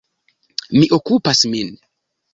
Mi okupas min.